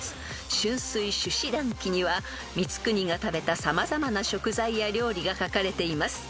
『舜水朱氏談綺』には光圀が食べた様々な食材や料理が書かれています］